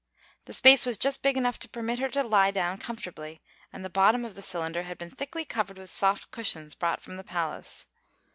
The space was just big enough to permit her to lie down comfortably, and the bottom of the cylinder had been thickly covered with soft cushions brought from the palace.